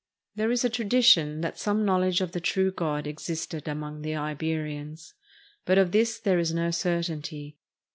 There is a tradition that some knowledge of the true God existed among the Iberians; but of this there is no certainty.